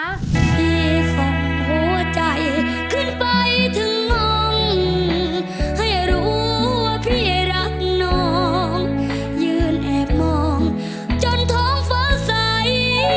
พี่ส่องหัวใจขึ้นไปถึงงงให้รู้ว่าพี่รักน้องยืนแอบมองจนท้องฟ้าใส